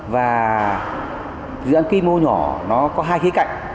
và dự án quy mô nhỏ nó có hai khía cạnh